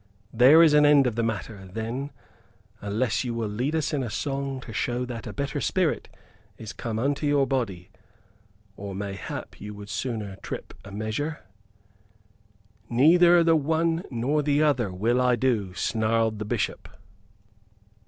There is an end of the matter, then, unless you will lead us in a song to show that a better spirit is come unto your body. Or mayhap you would sooner trip a measure?" "Neither the one nor the other will I do," snarled the Bishop.